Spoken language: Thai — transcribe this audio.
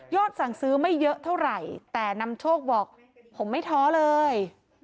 สั่งซื้อไม่เยอะเท่าไหร่แต่นำโชคบอกผมไม่ท้อเลย